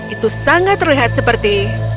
itu sangat terlihat seperti